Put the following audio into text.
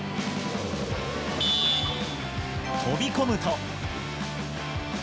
飛び込むと。